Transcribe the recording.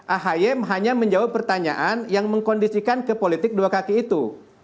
ahy hanya menjawab pertanyaan yang mengkondisikan ke politik dua kaki itu